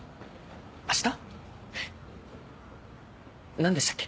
何でしたっけ？